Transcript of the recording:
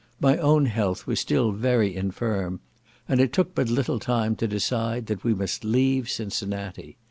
My own health was still very infirm, and it took but little time to decide that we must leave Cincinnati.